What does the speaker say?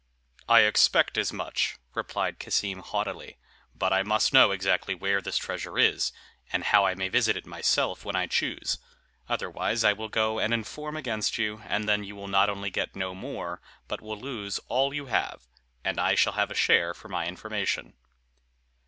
"I expect as much," replied Cassim haughtily; "but I must know exactly where this treasure is, and how I may visit it myself when I choose; otherwise, I will go and inform against you, and then you will not only get no more, but will lose all you have, and I shall have a share for my information."